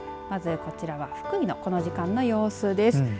まず、こちらは福井のこの時間の様子です。